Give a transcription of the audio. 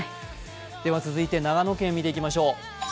では続いて長野県、見ていきましょう。